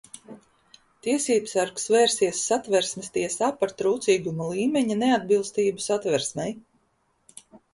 Tiesībsargs vērsies satversmes tiesā par trūcīguma līmeņa neatbilstību satversmei.